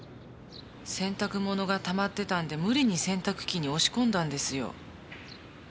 洗濯物がたまってたんで無理に洗濯機に押し込んだんですよ。